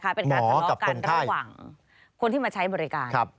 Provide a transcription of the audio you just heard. คนนั้นเป็นทะเลาะระหว่างคนที่มาใช้บริการ